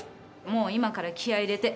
もう今から気合入れて。